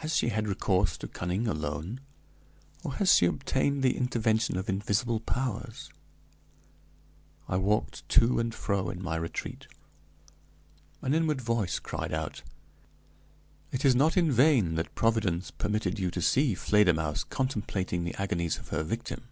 Has she had recourse to cunning alone, or has she obtained the intervention of invisible powers?" I walked to and fro in my retreat. An inward voice cried out: "It is not in vain that Providence permitted you to see Fledermausse contemplating the agonies of her victim.